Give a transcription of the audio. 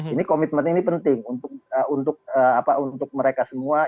ini komitmen ini penting untuk mereka semua